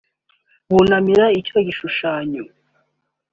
bunamire icyo gishushanyo